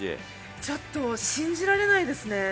ちょっと信じられないですね。